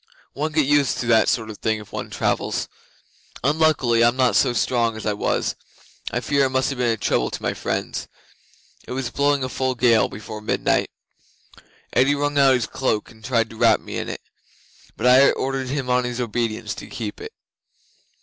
One gets used to that sort of thing if one travels. Unluckily I'm not so strong as I was. I fear I must have been a trouble to my friends. It was blowing a full gale before midnight. Eddi wrung out his cloak, and tried to wrap me in it, but I ordered him on his obedience to keep it.